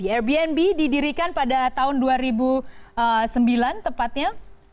airbnb didirikan pada tahun dua ribu sembilan tepatnya